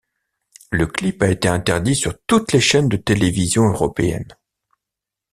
Le clip a été interdit sur toutes les chaînes de télévision européennes.